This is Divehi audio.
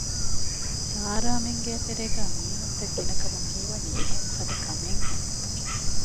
ސާރާމެން ގޭތެރޭގައި މީހުންތައް ގިނަކަމުން ހީވަނީ އެހެން ފަދަ ކަމެއް ހެން